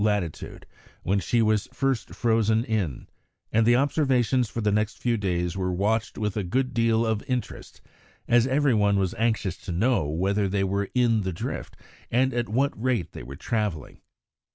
latitude when she was first frozen in, and the observations for the next few days were watched with a good deal of interest, as every one was anxious to know whether they were in the drift, and at what rate they were travelling.